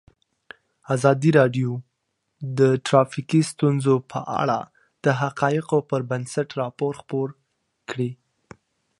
ازادي راډیو د ټرافیکي ستونزې په اړه د حقایقو پر بنسټ راپور خپور کړی.